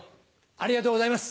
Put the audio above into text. ありがとうございます。